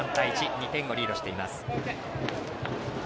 ２点をリードしています。